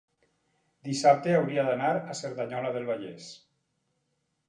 dissabte hauria d'anar a Cerdanyola del Vallès.